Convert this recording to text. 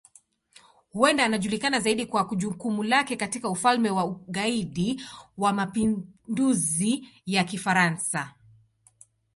Huenda anajulikana zaidi kwa jukumu lake katika Ufalme wa Ugaidi wa Mapinduzi ya Kifaransa.